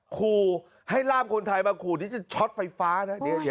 ขู่ให้ล่ามคนไทยมาขู่ที่จะช็อตไฟฟ้านะ